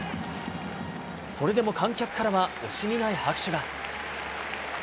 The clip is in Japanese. それでも観客からは惜しみない拍手が。